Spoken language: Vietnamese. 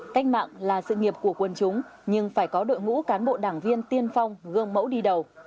cách mạng là sự nghiệp của quân chúng nhưng phải có đội ngũ cán bộ đảng viên tiên phong gương mẫu đi đầu